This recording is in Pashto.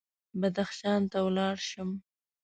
بدخشان ته ولاړ شم.